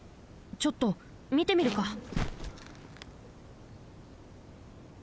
ちょっとみてみるか！